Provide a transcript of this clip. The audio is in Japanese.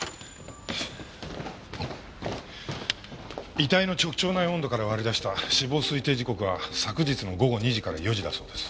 遺体の直腸内温度から割り出した死亡推定時刻は昨日の午後２時から４時だそうです。